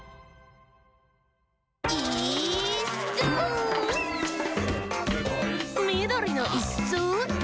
「イーッス」「みどりのイッス」